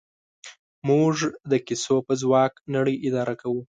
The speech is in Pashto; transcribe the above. موږ د کیسو په ځواک نړۍ اداره کوو.